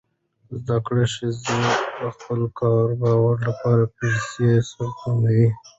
زده کړه ښځه د خپل کاروبار لپاره پیسې سپموي.